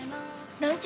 ランチ